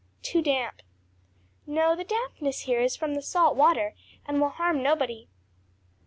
"Too damp." "No; the dampness here is from the salt water, and will harm nobody."